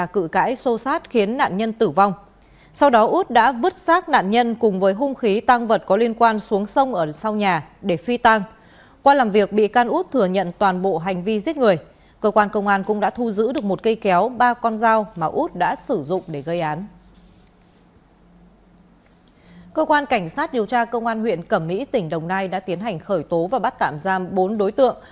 cơ quan cảnh sát điều tra công an huyện cẩm mỹ tỉnh đồng nai đã tiến hành khởi tố và bắt tạm giam bốn đối tượng